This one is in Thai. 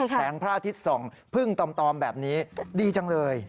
แสงพระอาทิตย์ส่องพึ่งตอมแบบนี้ดีจังเลย